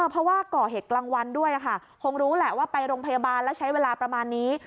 เพราะว่าก่อเหตุกลางวันด้วยค่ะคงรู้แหละว่าไปโรงพยาบาลแล้วใช้เวลาประมาณนี้